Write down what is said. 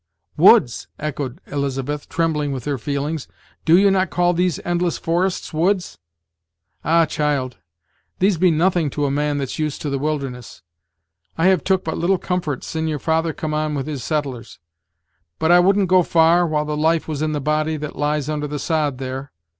"Woods!" echoed Elizabeth, trembling with her feelings; "do you not call these endless forests woods?" "Ah! child, these be nothing to a man that's used to the wilderness. I have took but little comfort sin' your father come on with his settlers; but I wouldn't go far, while the life was in the body that lies under the sod there.